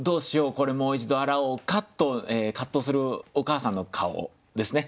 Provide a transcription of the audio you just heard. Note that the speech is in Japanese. これもう一度洗おうか」と葛藤するお母さんの顔ですね。